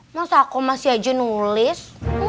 masa aku masih aja nulis